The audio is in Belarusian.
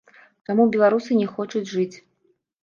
Чаму беларусы не хочуць жыць?